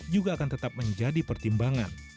juga akan tetap menjadi pertimbangan